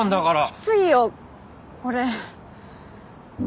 きついよこれ。